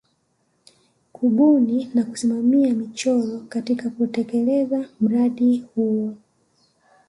Kubuni na kusimamia michoro katika kutelekeza mradio huu